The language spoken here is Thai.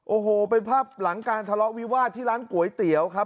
โอ้โหเป็นภาพหลังการทะเลาะวิวาสที่ร้านก๋วยเตี๋ยวครับ